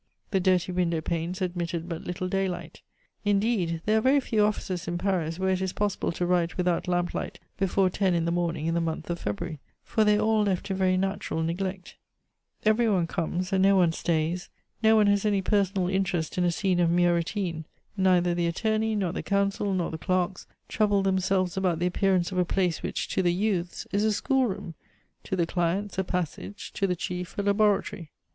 The dirty window panes admitted but little daylight. Indeed, there are very few offices in Paris where it is possible to write without lamplight before ten in the morning in the month of February, for they are all left to very natural neglect; every one comes and no one stays; no one has any personal interest in a scene of mere routine neither the attorney, nor the counsel, nor the clerks, trouble themselves about the appearance of a place which, to the youths, is a schoolroom; to the clients, a passage; to the chief, a laboratory.